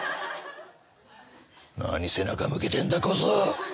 何背中向けてんだ小僧。